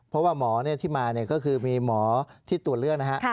เพราะว่าหมอที่มาก็คือมีหมอที่ตรวจเลือกนะฮะ